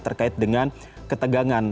terkait dengan ketegangan